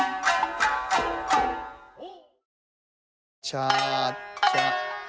チャチャ。